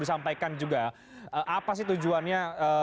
apa sih tujuannya